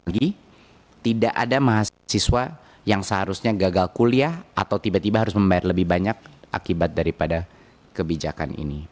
dan lagi tidak ada mahasiswa yang seharusnya gagal kuliah atau tiba tiba harus membayar lebih banyak akibat daripada kebijakan ini